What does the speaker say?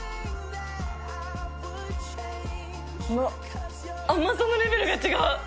わっ、甘さのレベルが違う。